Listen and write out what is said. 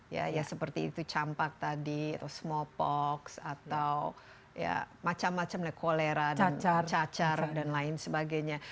ya seperti itu campak tadi atau smallpox atau ya macam macam lah kolera dan cacar dan lain sebagainya